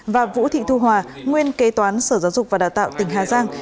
và vũ thị thu hòa nguyên kế toán sở giáo dục và đào tạo tỉnh hà giang